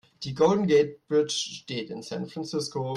Die Golden Gate Bridge steht in San Francisco.